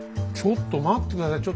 ちょっと待って下さい。